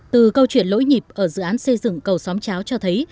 từ câu chuyện lỗi nhịp ở dự án xây dựng cầu xóm cháo cho thấy